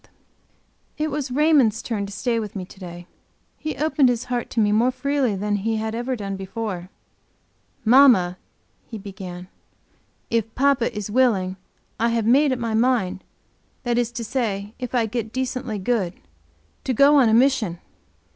It was Raymond's turn to stay with me to day. He opened his heart to me more freely than he had ever done before. "Mamma," he began, "if papa is willing, I have made up my mind that is to say if I get decently good to go on a mission."